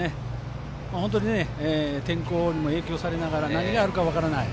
本当に天候にも影響されながら何があるか分からない